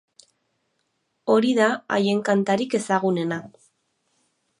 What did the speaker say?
Hori da haien kantarik ezagunena.